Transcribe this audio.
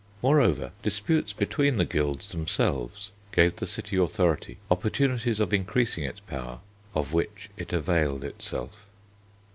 Moreover, disputes between the guilds themselves gave the city authority opportunities of increasing its power, of which it availed itself.